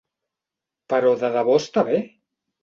¿Però de debò està bé?